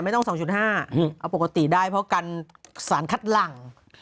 ไม่ต้อง๒๕เอาปกติได้เพราะกันสารคัดร่าง